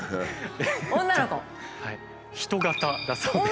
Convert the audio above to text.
人型だそうです。